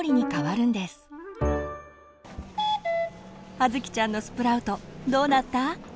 葉月ちゃんのスプラウトどうなった？